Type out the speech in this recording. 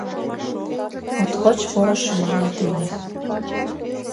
Моткоч поро шӱман айдеме.